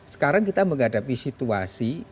sekarang kita menghadapi situasi